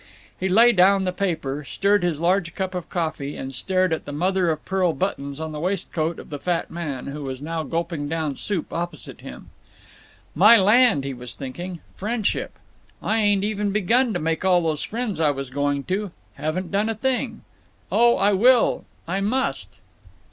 He laid down the paper, stirred his large cup of coffee, and stared at the mother of pearl buttons on the waistcoat of the fat man, who was now gulping down soup, opposite him. "My land!" he was thinking, "friendship! I ain't even begun to make all those friends I was going to. Haven't done a thing. Oh, I will; I must!"